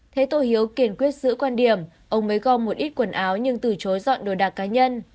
thế tôi hiếu kiên quyết giữ quan điểm ông mới gom một ít quần áo nhưng từ chối dọn đồ đạc cá nhân